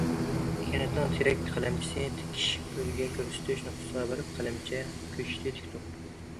كەنتنىڭ تېرەك قەلەمچىسى تىكىش ئۈلگە كۆرسىتىش نۇقتىسىغا بېرىپ، قەلەمچە كۆچىتى تىكتۇق.